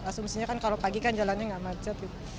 asumsinya kan kalau pagi kan jalannya nggak macet gitu